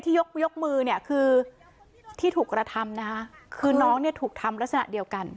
ยกยกมือเนี่ยคือที่ถูกกระทำนะคะคือน้องเนี่ยถูกทำลักษณะเดียวกัน